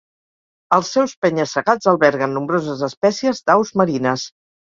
Els seus penya-segats alberguen nombroses espècies d'aus marines.